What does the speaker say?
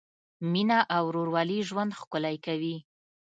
مینه او ورورولي ژوند ښکلی کوي.